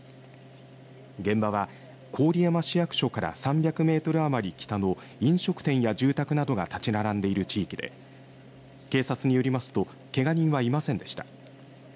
現場は、郡山市役所から３００メートル余り北の飲食店や住宅などが建ち並んでいる地域で警察によりますとけが人はいませんでした。